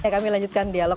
kami lanjutkan dialog